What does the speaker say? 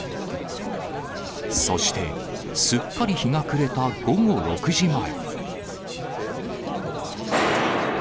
そして、すっかり日が暮れた午後６時前。